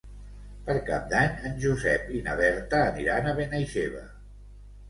Per Cap d'Any en Josep i na Berta aniran a Benaixeve.